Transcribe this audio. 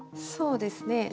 そうですね。